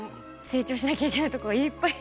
成長しなきゃいけないとこがいっぱい！